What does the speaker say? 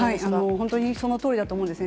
本当にそのとおりだと思うんですね。